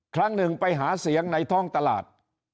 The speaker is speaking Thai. ครั้งหนึ่งไปหาเสียงในท้องตลาด